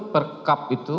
per kap itu